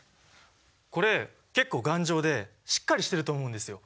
これ結構頑丈でしっかりしてると思うんですよ。